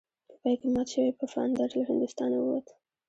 په پای کې مات شوی پفاندر له هندوستانه ووت.